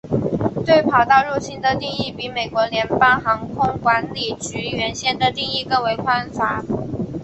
对跑道入侵的定义比美国联邦航空管理局原先的定义更为宽泛。